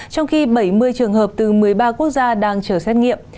trong khi bảy mươi trường hợp từ một mươi ba quốc gia đang chờ xét nghiệm